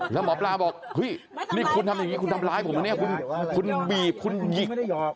แล้วหมอปลาบอกนี่คุณทำไรผมคุณบีบคุณหยิด